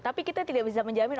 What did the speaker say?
tapi kita tidak bisa menjamin